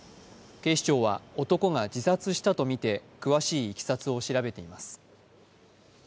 警視庁は男が自殺したとみて詳しいいきさつを調べています。